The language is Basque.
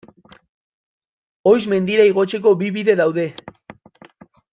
Oiz mendira igotzeko bi bide daude.